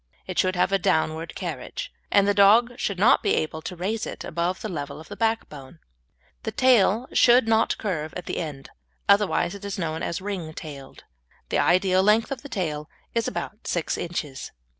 It should have a downward carriage, and the dog should not be able to raise it above the level of the backbone. The tail should not curve at the end, otherwise it is known as "ring tailed." The ideal length of tail is about six inches.